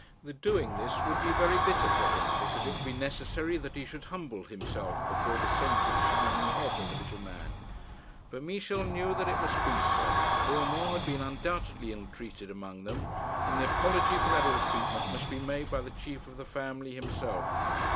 The doing this would be very bitter to him, because it would be necessary that he should humble himself before the scented shiny head of the little man: but Michel knew that it must be so. Urmand had been undoubtedly ill treated among them, and the apology for that ill treatment must be made by the chief of the family himself.